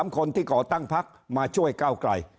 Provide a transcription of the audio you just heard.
คนที่ก่อตั้งพักมาช่วยก้าวไกล